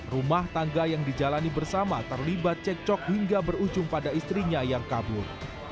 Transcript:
rumah tangga yang dijalani bersama terlibat cekcok hingga berujung pada istrinya yang kabur